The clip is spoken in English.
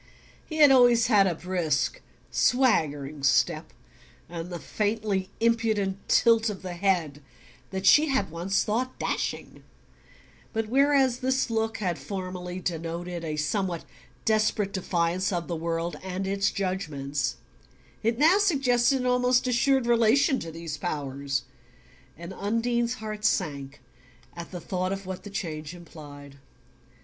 He had always had a brisk swaggering step, and the faintly impudent tilt of the head that she had once thought "dashing"; but whereas this look had formerly denoted a somewhat desperate defiance of the world and its judgments it now suggested an almost assured relation to these powers; and Undine's heart sank at the thought of what the change implied.